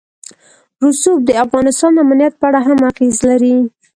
رسوب د افغانستان د امنیت په اړه هم اغېز لري.